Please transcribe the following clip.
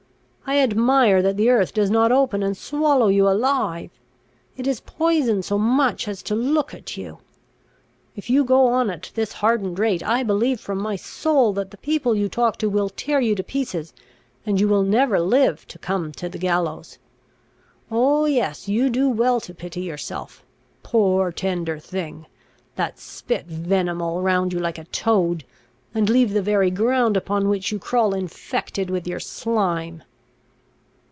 I admire that the earth does not open and swallow you alive! It is poison so much as to look at you! If you go on at this hardened rate, I believe from my soul that the people you talk to will tear you to pieces, and you will never live to come to the gallows. Oh, yes, you do well to pity yourself; poor tender thing! that spit venom all round you like a toad, and leave the very ground upon which you crawl infected with your slime."